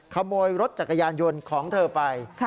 ขโมยรถจักรยานยนต์ของเธอไป